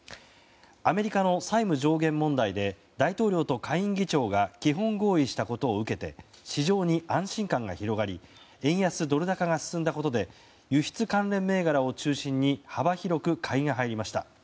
アメリカの債務上限問題で大統領と下院議長が基本合意したことを受けて市場に安心感が広がり円安ドル高が進んだことで輸出関連銘柄を中心に幅広く買いが入りました。